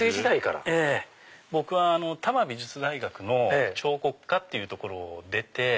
僕は多摩美術大学の彫刻科っていう所を出て。